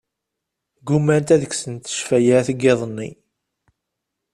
Ggumant ad kksent ccfayat n yiḍ-nni.